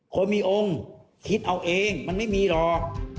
คนมีองค์คิดเอาเองมันไม่มีหรอก